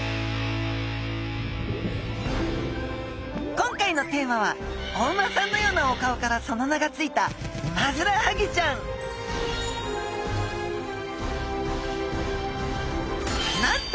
今回のテーマはお馬さんのようなお顔からその名がついたなんと！